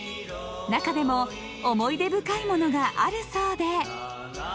なかでも思い出深いものがあるそうで。